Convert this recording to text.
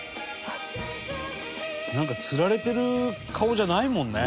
「なんか吊られてる顔じゃないもんね」